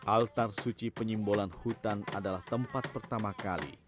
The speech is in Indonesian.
altar suci penyimbolan hutan adalah tempat pertama kali